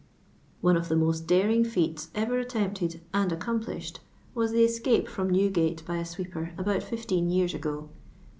One of the most daring feats ever at tempted and accomplished was the escape from Newgate by a sweeper abtiut 15 years ago.